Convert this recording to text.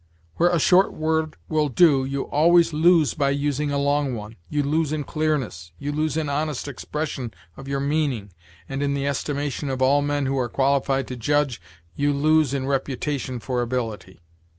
Where a short word will do, you always lose by using a long one. You lose in clearness; you lose in honest expression of your meaning; and, in the estimation of all men who are qualified to judge, you lose in reputation for ability.